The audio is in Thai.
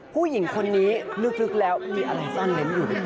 ผู้หญิงคนนี้ลึกแล้วมีอะไรซ่อนระนุมอยู่มั้ยป่าว